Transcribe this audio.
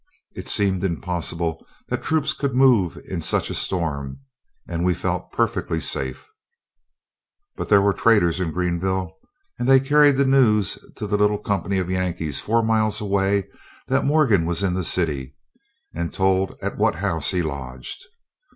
It seemed impossible that troops could move in such a storm, and we felt perfectly safe. "But there were traitors in Greenville, and they carried the news to the little company of Yankees four miles away that Morgan was in the city, and told at what house he lodged.